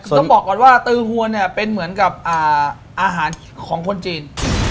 ต้องบอกก่อนว่าตือหวนเนี่ยเป็นเหมือนกับอาหารของคนจีน